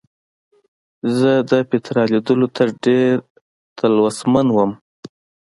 زه د پیترا لیدلو ته ډېر تلوسمن وم.